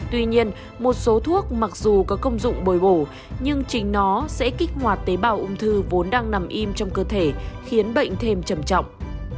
tuy nhiên một số thuốc mặc dù có công dụng bồi bổ nhưng chính nó sẽ kích hoạt tế bào ung thư vốn đang nằm im trong cơ thể khiến bệnh thêm trầm trọng